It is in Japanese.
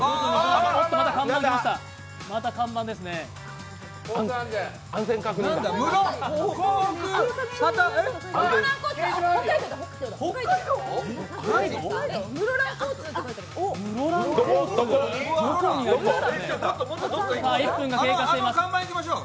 あの看板いきましょう！